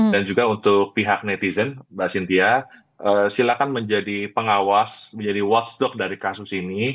dan juga untuk pihak netizen mbak sintia silakan menjadi pengawas menjadi watchdog dari kasus ini